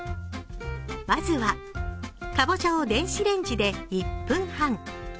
まずはかぼちゃを電子レンジで１分半。